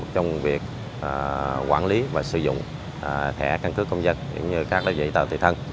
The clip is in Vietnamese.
về việc quản lý và sử dụng thẻ căn cước công dân như các đối diện tàu tự thân